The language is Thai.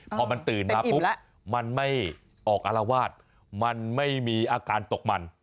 พอมันตื่นมาปุ๊บมันไม่ออกอารวาสมันไม่มีอาการตกมัน